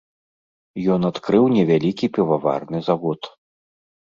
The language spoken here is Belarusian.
Ён адкрыў невялікі піваварны завод.